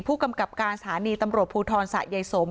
ผู้กำกับการศาลีตำรวจภูทรศะไยโสม